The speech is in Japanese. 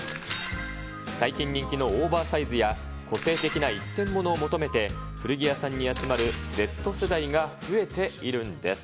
最近人気のオーバーサイズや、個性的な一点物を求めて、古着屋さんに集まるＺ世代が増えているんです。